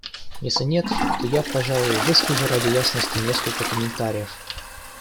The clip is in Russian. Если нет, то я, пожалуй, выскажу ради ясности несколько комментариев.